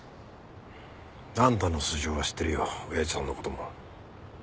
あんたの素性は知ってるよ親父さんの事も。